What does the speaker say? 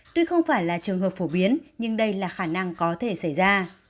tuy không phải là trường hợp phổ biến nhưng đây là khả năng có thể xảy ra